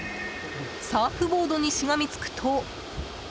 サーフボードにしがみつくと。